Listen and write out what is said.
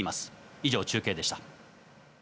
以上、中継でした。